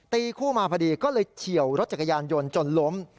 คู่มาพอดีก็เลยเฉียวรถจักรยานยนต์จนล้ม